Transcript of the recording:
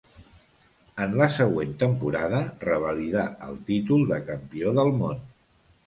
En la següent temporada revalidà el títol de campió del món.